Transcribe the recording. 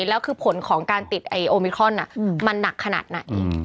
แล้วคือผลของการติดไอ้โอมิครอนมันหนักขนาดไหน